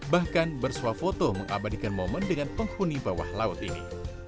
bahkan bersuah foto mengabadikan momen dengan penghuni bawah laut ini